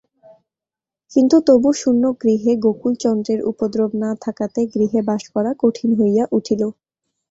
কিন্তু তবু শূন্য গৃহে গোকুলচন্দ্রের উপদ্রব না থাকাতে গৃহে বাস করা কঠিন হইয়া উঠিল।